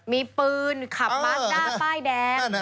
มีปืนขับบาสด้าป้ายแดง